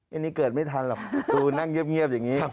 อันนี้เกิดไม่ทันหรอกดูนั่งเงียบอย่างนี้